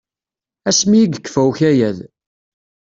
Asmi i yekfa ukayad.